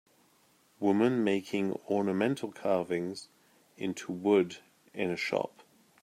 Woman making ornamental carvings into wood in a shop.